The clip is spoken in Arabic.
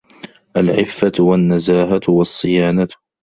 الْعِفَّةُ وَالنَّزَاهَةُ وَالصِّيَانَةُ